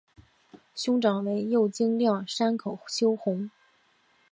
兄长为右京亮山口修弘。